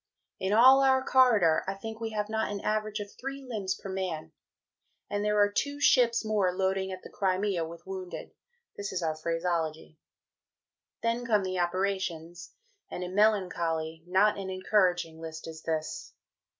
In all our corridor, I think we have not an average of three Limbs per man. And there are two Ships more "loading" at the Crimea with wounded (this is our Phraseology). Then come the operations, and a melancholy, not an encouraging List is this.